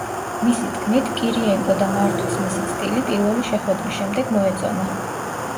მისი თქმით, კირიენკო და მართვის მისი სტილი პირველი შეხვედრის შემდეგ მოეწონა.